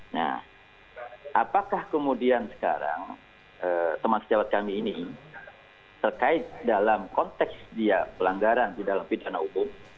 nah apakah kemudian sekarang teman sejawat kami ini terkait dalam konteks dia pelanggaran di dalam pidana umum